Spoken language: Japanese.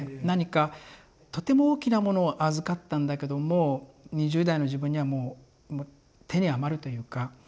何かとても大きなものを預かったんだけども２０代の自分にはもうもう手に余るというか。